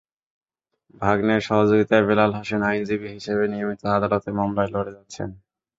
ভাগনের সহযোগিতায় বেলাল হোসেন আইনজীবী হিসেবে নিয়মিত আদালতে মামলায় লড়ে যাচ্ছেন।